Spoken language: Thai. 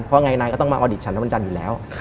เพราะไงนายก็ต้องมาออดิตฉันในวันจันทร์อยู่แล้ว